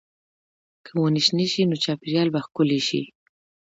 که ونې شنې شي، نو چاپېریال به ښکلی شي.